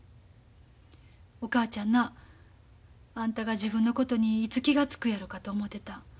お母ちゃんなあんたが自分のことにいつ気が付くやろかと思てた。